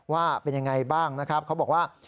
ว่าเป็นยังไงบ้างนะครับเขาบอกว่า